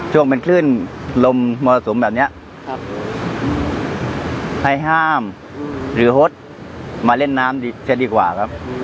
ช่วงเป็นคลื่นลมมรสุมแบบนี้ให้ห้ามหรือฮดมาเล่นน้ำดีจะดีกว่าครับ